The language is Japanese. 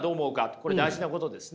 これ大事なことですね。